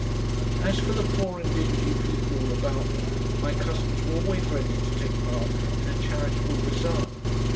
As for the poor and dingy people all about them, my cousins were always ready to take part in a Charitable Bazaar.